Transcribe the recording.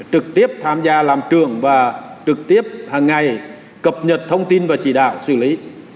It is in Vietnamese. trực tiếp tham gia làm trường và trực tiếp hàng ngày cập nhật thông tin và chỉ đạo xử lý